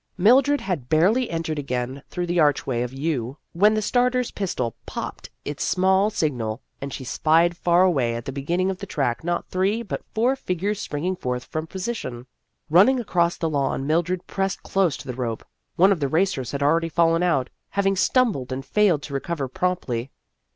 Mildred had barely entered again through the archway of yew when the starter's pistol popped its small signal, and she spied far away at the beginning of the track not three but four figures spring forth from position. Running across the lawn, Mildred pressed close to the rope. One of the racers had already fallen out, having stumbled and failed to recover promptly.